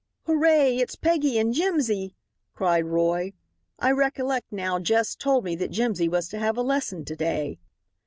"Hooray! It's Peggy and Jimsy!" cried Roy. "I recollect now Jess told me that Jimsy was to have a lesson to day."